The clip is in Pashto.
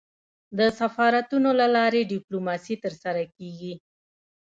د سفارتونو له لاري ډيپلوماسي ترسره کېږي.